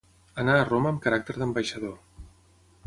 Anà a Roma amb caràcter d'ambaixador.